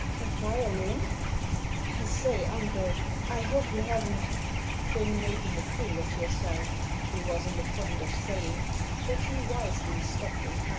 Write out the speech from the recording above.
"A violin ! I say, uncle, I hope you haven't " Been making a fool of yourself," he was on the point of saying, but he wisely stopped in time.